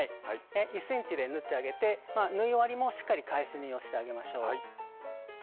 １ｃｍで縫ってあげて縫い終わりもしっかり返し縫いをしてあげましょう。